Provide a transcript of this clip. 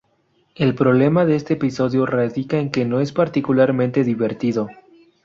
El problema de este episodio radica en que no es particularmente divertido.